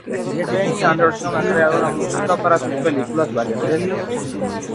Benny Andersson ha creado la música para sus película varias veces.